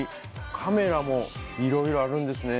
カメラもいろいろあるんですね。